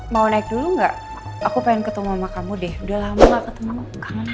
mau naik dulu nggak aku pengen ketemu sama kamu deh udah lama gak ketemu aku